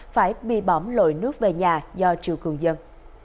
phải bị bỏng lội nước về nhà do triều cường dân